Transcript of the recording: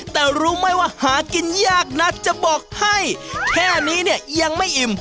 แต่รู้ไหมว่าหากินยากนักจะบอกให้แค่นี้เนี่ยยังไม่อิ่ม